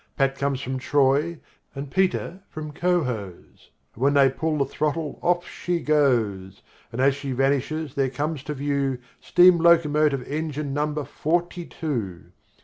Pat comes from Troy and Peter from Cohoes, And when they pull the throttle off she goes; And as she vanishes there comes to view Steam locomotive engine number forty two.